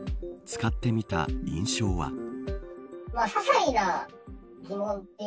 使ってみた印象は。